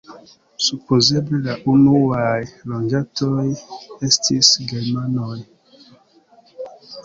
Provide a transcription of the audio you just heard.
Supozeble la unuaj loĝantoj estis germanoj.